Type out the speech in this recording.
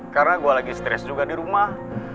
karena gue lagi stres juga di rumah